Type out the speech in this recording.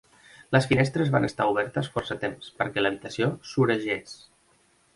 Les finestres van estar obertes força temps perquè l'habitació s'oregés.